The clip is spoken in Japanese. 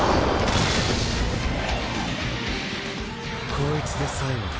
こいつで最後だ。